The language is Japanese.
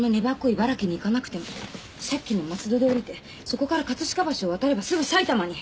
茨城に行かなくてもさっきの松戸で降りてそこから飾橋を渡ればすぐ埼玉に。